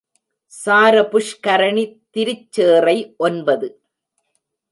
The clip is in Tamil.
சார புஷ்கரணி திருச்சேறை ஒன்பது.